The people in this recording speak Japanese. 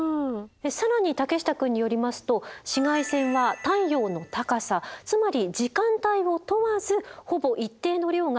更に竹下くんによりますと紫外線は太陽の高さつまり時間帯を問わずほぼ一定の量が家の中に入ってくるそうでございます。